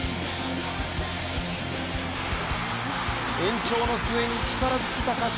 延長の末に力尽きた鹿島。